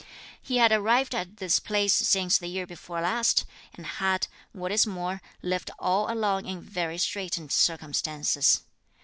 He had arrived at this place since the year before last, and had, what is more, lived all along in very straitened circumstances.